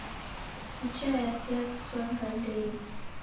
Picha yake yaviswa ngandenyi.